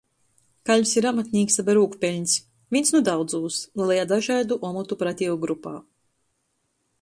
Kaļvs ir amatnīks aba rūkpeļns – vīns nu daudzūs lelajā dažaidu omotu pratieju grupā.